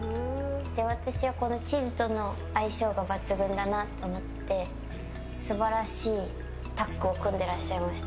私はこのチーズとの相性が抜群だなと思って素晴らしいタッグを組んでいらっしゃいました。